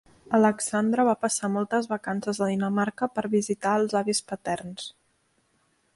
Alexandra va passar moltes vacances a Dinamarca per visitar els avis paterns.